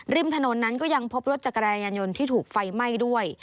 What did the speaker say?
ริมถนนนั้นก็ยังพบรถจักรยานยนต์ที่ถูกไฟไหม้ด้วย